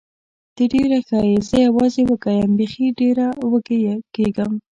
ته ډېره ښه یې، زه یوازې وږې یم، بېخي ډېره وږې کېږم.